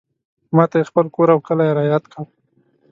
ماته یې خپل کور او کلی رایاد کړ.